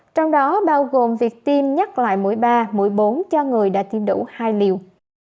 trong đó bao gồm việc tiêm nhắc lại mũi ba mũi bốn cho người đã tiêm đủ hai liều